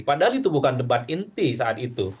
padahal itu bukan debat inti saat itu